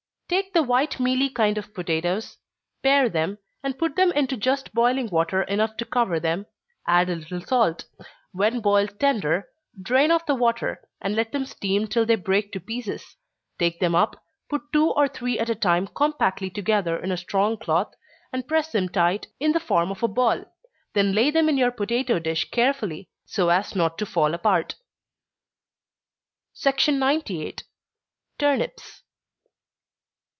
_ Take the white mealy kind of potatoes pare them, and put them into just boiling water enough to cover them add a little salt. When boiled tender, drain off the water, and let them steam till they break to pieces take them up, put two or three at a time compactly together in a strong cloth, and press them tight, in the form of a ball then lay them in your potatoe dish carefully, so as not to fall apart. 98. _Turnips.